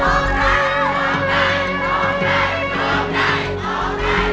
ร้องได้ร้องได้ร้องได้